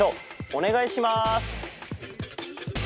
お願いします！